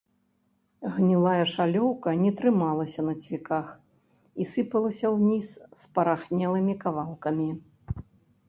Гнілая шалёўка не трымалася на цвіках і сыпалася ўніз спарахнелымі кавалкамі.